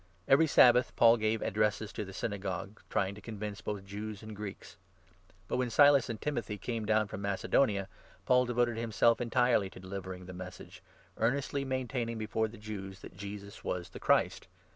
Every Sabbath Paul gave addresses in the 4 Synagogue, trying to convince both Jews and Greeks. But, when Silas and Timothy had .come down from Mace 5 donia, Paul devoted himself entirely to delivering the Message, earnestly maintaining before the Jews that Jesus was the Christ.